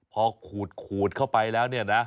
พอขูดเข้าไปแล้วนะ